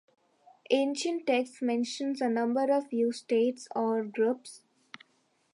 Ancient texts mention a number of Yue states or groups.